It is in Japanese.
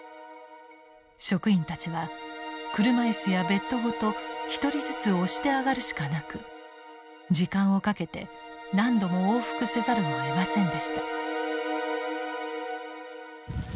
職員たちは車椅子やベッドごと一人ずつ押して上がるしかなく時間をかけて何度も往復せざるをえませんでした。